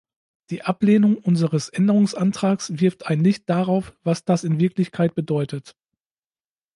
Die Ablehnung unseres Änderungsantrags wirft ein Licht darauf, was das in Wirklichkeit bedeutet.